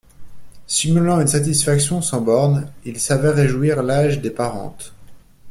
Simulant une satisfaction sans bornes, il savait réjouir l'âge des parentes.